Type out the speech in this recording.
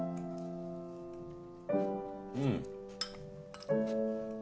うん。